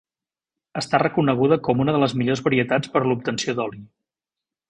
Està reconeguda com una de les millors varietats per a l'obtenció d'oli.